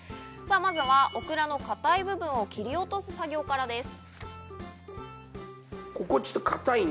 まずはオクラの硬い部分を切り落とす作業からです。